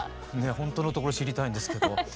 ほんとのところ知りたいんですけど。